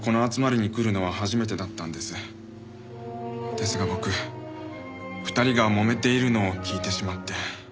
ですが僕２人がもめているのを聞いてしまって。